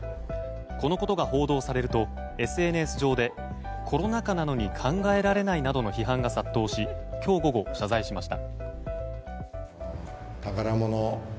このことが報道されるとＳＮＳ上でコロナ禍なのに考えられないなどの批判が殺到し今日午後、謝罪しました。